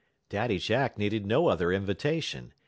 Daddy Jack needed no other invitation.